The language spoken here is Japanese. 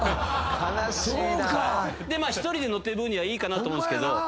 まあ１人で乗ってるぶんにはいいかなと思うんですけど。